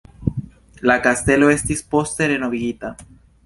La kastelo estis poste renovigita.